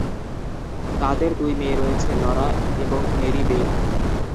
তাদের দুই মেয়ে রয়েছে; লরা এবং মেরি বেথ।